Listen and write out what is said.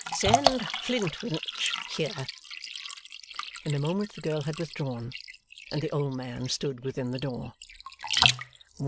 'Send Flintwinch here!' In a moment the girl had withdrawn, and the old man stood within the door.